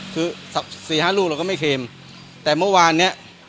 คือสี่ห้าลูกเราก็ไม่เค็มแต่เมื่อวานเนี้ย